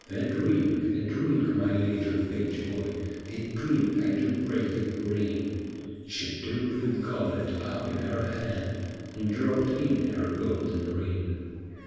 ' A drink, a drink, my little page boy, A drink 1 do pray you bring '; She took the goblet up in her hand And dropped in her golden ring.